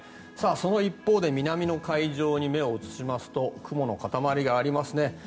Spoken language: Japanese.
その一方で南の海上に目を移しますと雲の塊がありますね。